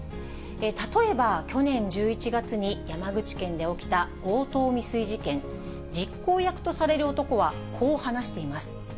例えば、去年１１月に山口県で起きた強盗未遂事件。実行役とされる男は、こう話しています。